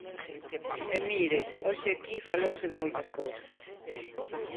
E, mire, hoxe aquí falouse de moitas cousas.